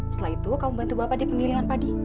setelah itu kamu bantu bapak di pengilingan padi